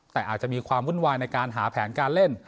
แต่อาจจะมีความวุ่นวายในการหาแผนการเล่น